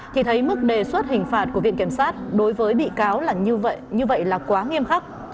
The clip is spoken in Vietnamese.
thì thấy mức đề xuất hình phạt của viện kiểm sát đối với bị cáo là như vậy như vậy là quá nghiêm khắc